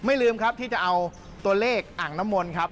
ลืมครับที่จะเอาตัวเลขอ่างน้ำมนต์ครับ